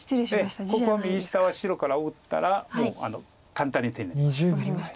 ここは右下は白から打ったらもう簡単に手になります。